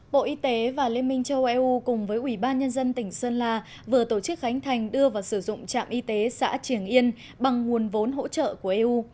bộ y tế và liên minh châu eu cùng với ủy ban nhân dân tỉnh sơn la vừa tổ chức khánh thành đưa vào sử dụng trạm y tế xã triềng yên bằng nguồn vốn hỗ trợ của eu